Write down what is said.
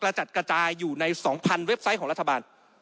จัดกระจายอยู่ใน๒๐๐เว็บไซต์ของรัฐบาล